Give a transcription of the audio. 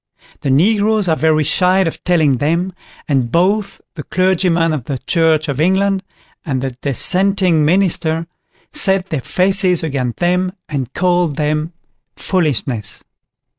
The Negroes are very shy of telling them, and both the clergyman of the Church of England, and the Dissenting Minister set their faces against them, and call them foolishness.